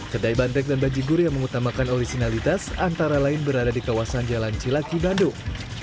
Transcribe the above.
kedai banteng dan bajigur yang mengutamakan originalitas antara lain berada di kawasan jalan cilaki bandung